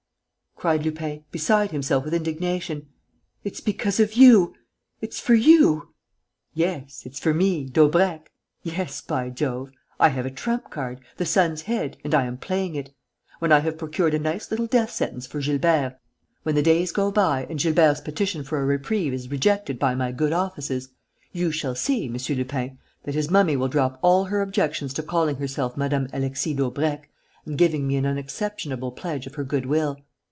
cried Lupin, beside himself with indignation. "It's because of you, it's for you...." "Yes, it's for me, Daubrecq; yes, by Jove! I have a trump card, the son's head, and I am playing it. When I have procured a nice little death sentence for Gilbert, when the days go by and Gilbert's petition for a reprieve is rejected by my good offices, you shall see, M. Lupin, that his mummy will drop all her objections to calling herself Mme. Alexis Daubrecq and giving me an unexceptionable pledge of her good will.